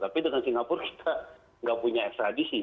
tapi dengan singapura kita nggak punya ekstradisi